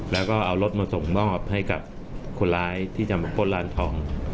แล้วก็เอารถมาส่งมอบให้กับคนร้ายที่จะมาปล้นร้านทอง